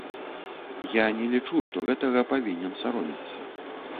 Я не лічу, што гэтага павінен саромецца.